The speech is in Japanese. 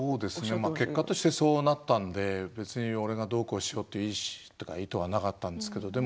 結果としてそうなったので別に俺がどうこうしようという意図はなかったんですけど。